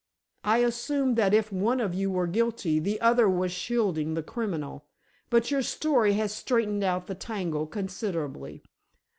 I assumed that if one of you were guilty the other was shielding the criminal, but your story has straightened out the tangle considerably."